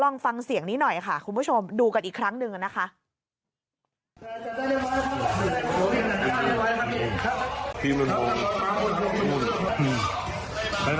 มาดูกันอีกครั้งหนึ่งกันนะคะ